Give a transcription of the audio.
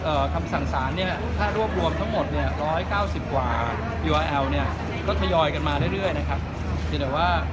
ของประชาชานะครับศาลครับจากสั่งสานเนี่ยค่ะ